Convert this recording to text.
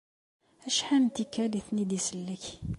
Acḥal n tikkal i ten-id-isellek.